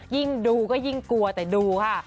ยิ่งดูก็ยิ่งกลัวแต่ดูค่ะ